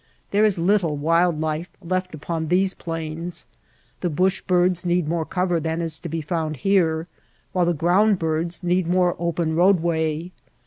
There is little wild life left upon these plains. The bush birds need more cover than is to be found here, while the ground birds need more open roadway.